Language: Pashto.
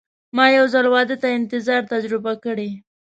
ما یو ځل واده ته انتظار تجربه کړی.